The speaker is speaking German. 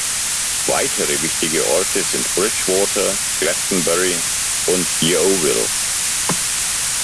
Weitere wichtige Orte sind Bridgwater, Glastonbury und Yeovil.